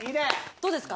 どうですか？